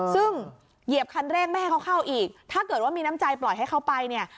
ซึ่งเหยียบคันเร่งไม่ให้เขาเข้าอีกถ้าเกิดว่ามีน้ำใจปล่อยให้เขาไปเนี่ย